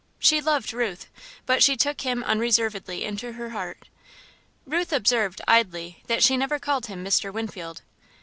She loved Ruth, but she took him unreservedly into her heart. Ruth observed, idly, that she never called him "Mr. Winfield."